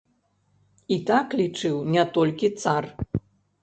І так лічыў не толькі цар.